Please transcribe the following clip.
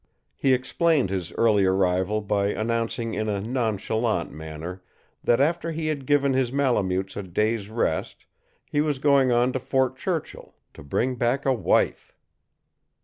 He explained his early arrival by announcing in a nonchalant manner that after he had given his Malemutes a day's rest he was going on to Fort Churchill, to bring back a wife.